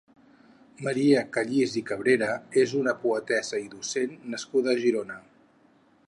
Maria Callís i Cabrera és una poetessa i docent nascuda a Girona.